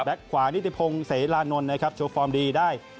ขวานิติพงศ์เสรานนท์นะครับโชว์ฟอร์มดีได้